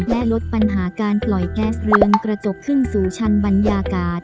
และลดปัญหาการปล่อยแก๊สเรืองกระจกขึ้นสู่ชั้นบรรยากาศ